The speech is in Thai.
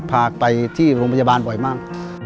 พาไปที่โรงพยาบาลบ่อยมาก